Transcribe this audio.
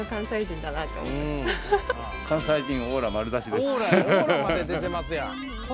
オーラまで出てますやん！